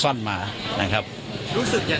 เป็นวันที่๑๕ธนวาคมแต่คุณผู้ชมค่ะกลายเป็นวันที่๑๕ธนวาคม